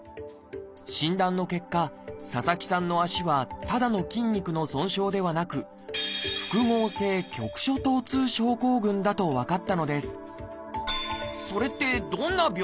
診断の結果佐々木さんの足はただの筋肉の損傷ではなく「複合性局所疼痛症候群」だと分かったのです